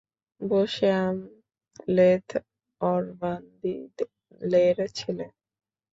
বসো, অ্যামলেথ- অরভান্দিলের ছেলে।